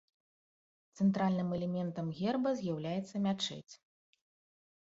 Цэнтральным элементам герба з'яўляецца мячэць.